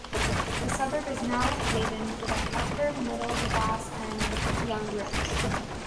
The suburb is now a haven for the upper middle class and young rich.